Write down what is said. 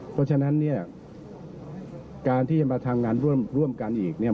เพราะฉะนั้นเนี่ยการที่จะมาทำงานร่วมกันอีกเนี่ย